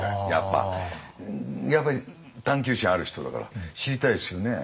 やっぱり探求心ある人だから知りたいですよね。